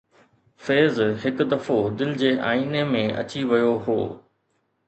فيض هڪ دفعو دل جي آئيني ۾ اچي ويو هو